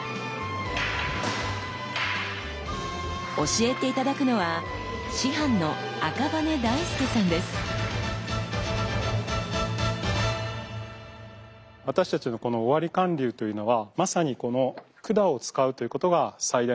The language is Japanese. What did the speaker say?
教えて頂くのは私たちのこの尾張貫流というのはまさにこの管を使うということが最大の特徴になります。